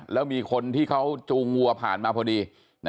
แล้วมีคนที่เขาจูงวัวผ่านมาพอดี